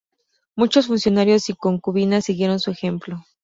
Muchos funcionarios y concubinas siguieron su ejemplo.